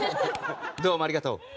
どうもありがとう！